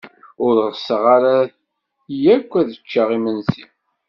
Ur ɣseɣ ara akk ad ččeɣ imensi.